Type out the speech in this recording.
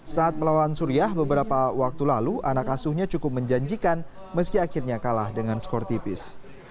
saat melawan surya beberapa waktu lalu anak asuhnya cukup menjanjikan meski akhirnya kalah dengan skor tipis